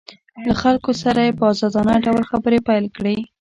له خلکو سره یې په ازادانه ډول خبرې پیل کړې